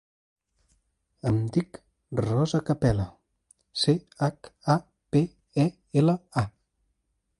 Em dic Rosa Chapela: ce, hac, a, pe, e, ela, a.